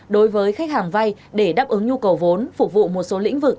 đối với khách hàng vay để đáp ứng nhu cầu vốn phục vụ một số lĩnh vực